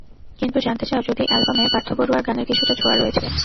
কিন্তু জানতে চাও যদি অ্যালবামে পার্থ বড়ুয়ার গানের কিছুটা ছোঁয়া রয়েছে।